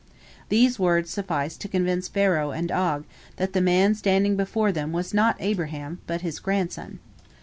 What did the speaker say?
These words sufficed to convince Pharaoh and Og that the man standing before them was not Abraham, but his grandson.